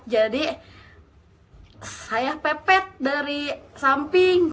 jadi saya pepet dari samping